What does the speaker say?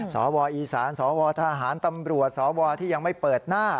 สวอีสานสวทหารตำรวจสวที่ยังไม่เปิดหน้า